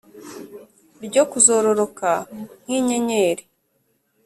Ryo kuzororoka nk`inyenyeri